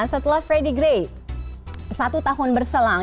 setelah freddy gray satu tahun berselang